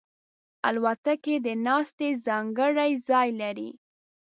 الوتکه د ناستې ځانګړی ځای لري.